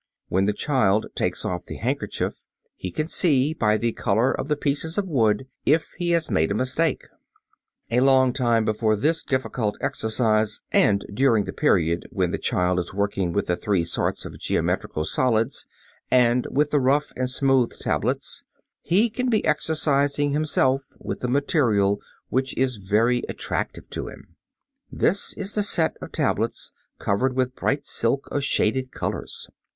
When the child takes off the handkerchief, he can see by the color of the pieces of wood if he has made a mistake. A long time before this difficult exercise, and during the period when the child is working with the three sorts of geometrical solids and with the rough and smooth tablets, he can be exercising himself with a material which is very attractive to him. This is the set of tablets covered with bright silk of shaded colors.